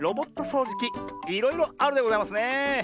そうじきいろいろあるでございますねえ。